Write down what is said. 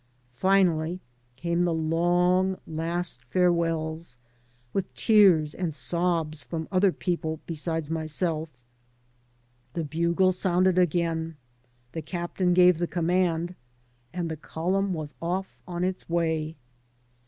Finally came the long last farewells, with tears and sobs from other people besides myself. The bugle sounded again, the captain gave the command, and the colunm was off on its way.